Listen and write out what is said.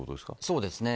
そうですね。